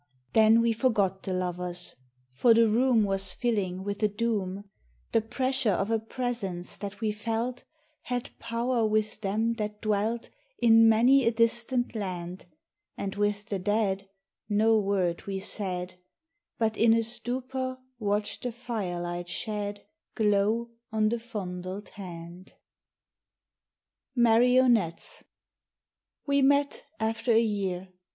Then we forgot the lovers ; for the room Was filling with a doom, The pressure of a Presence that we felt Had power with them that dwelt In many a distant land And with the dead, No word we said But in a stupor watched the firelight shed Glow on the fondled hand. 80 MARIONETTES. WE met After a year.